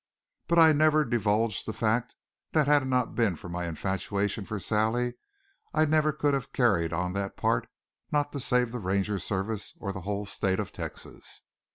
But I never divulged the fact that had it not been for my infatuation for Sally, I never could have carried on that part, not to save the Ranger service, or the whole State of Texas.